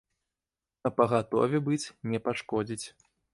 Напагатове быць не пашкодзіць.